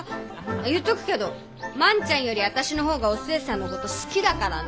言っとくけど万ちゃんより私の方がお寿恵さんのこと好きだからね。